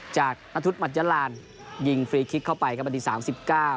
จากนัททุศมัจจรานยิงฟรีคลิกเข้าไปกับอันตรี๓๙